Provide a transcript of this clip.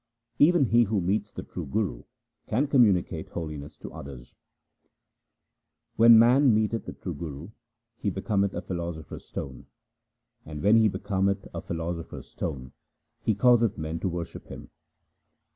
Even he who meets the true Guru can communicate holiness to others :— When man meeteth the true Guru, he becometh a philo sopher's stone ; and when he becometh a philosopher's stone, he causeth men to worship him.